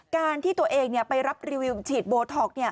การที่ตัวเองไปรับรีวิวฉีดโบท็อกซ์